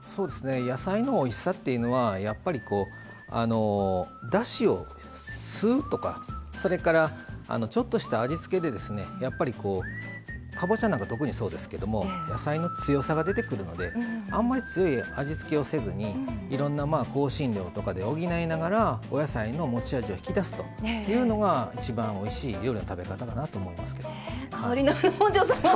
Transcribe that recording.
野菜のおいしさというのはやっぱり、だしを吸うとかそれから、ちょっとした味付けでかぼちゃなんか特にそうですけど野菜の強さが出てくるのであまり強い味付けをせずにいろんな香辛料とかで補いながらお野菜の持ち味を引き出すというのが一番、おいしい料理の食べ方だなと思います。